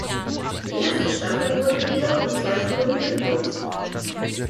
Die erste Staffel wurde jedoch um zwei Folgen gekürzt.